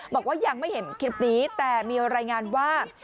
บอกว่ายังไม่เห็นคลิปนี้แต่มีรายงานว่า